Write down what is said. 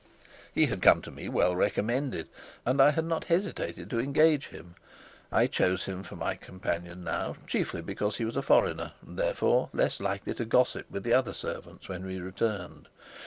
He had come to me well recommended, and I had not hesitated to engage him. I chose him for my companion now, chiefly because he was a foreigner and therefore less likely to gossip with the other servants when we returned.